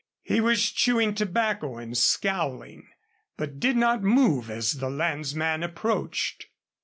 He was chewing tobacco and scowling, but did not move as the landsman approached.